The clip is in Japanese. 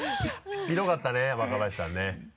ひどかったね若林さんね。